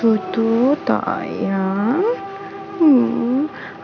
untuk tutup tak ayah